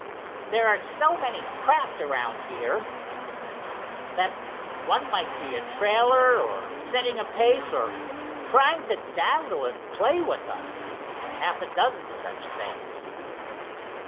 "There are so many craft around here," he said, "that one might be a trailer, or setting a pace, or trying to dazzle and play with us, or half a dozen such things."